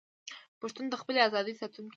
پښتون د خپلې ازادۍ ساتونکی دی.